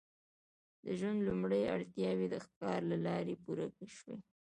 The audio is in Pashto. د ژوند لومړنۍ اړتیاوې د ښکار له لارې پوره شوې.